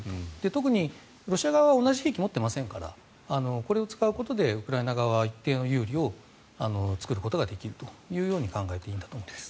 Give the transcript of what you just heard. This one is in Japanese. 特にロシア側は同じ兵器を持っていませんからこれを使うことでウクライナ側は一定の有利を作ることができるということです。